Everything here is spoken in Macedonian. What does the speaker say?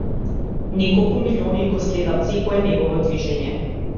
Неколку милиони го следат секое негово движење.